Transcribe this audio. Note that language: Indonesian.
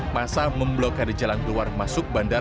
masa memblokade jalan keluar masuk bandara